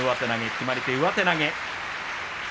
決まり手は上手投げ。